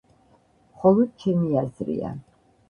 მხოლოდ ჩემი აზრია.